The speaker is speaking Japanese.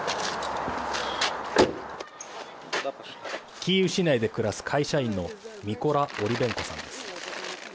キーウ市内で暮らす会社員のミコラ・オリベンコさんです。